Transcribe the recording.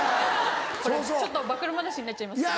これちょっと暴露話になっちゃいますけど。